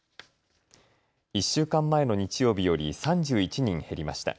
１週間前の日曜日より３１人減りました。